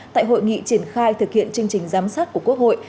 tại hội nghị triển khai thực hiện chương trình giám sát của quốc hội